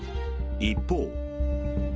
一方。